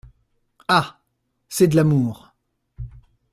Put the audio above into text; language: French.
Ah ! c’est de l’amour !